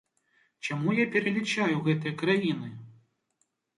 Чаму я пералічаю гэтыя краіны?